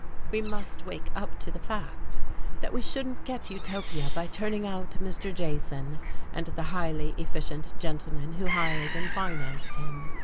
We must wake up to the fact that we shouldn't get Utopia by turning out Mr. Jason and the highly efficient gentlemen who hired and financed him.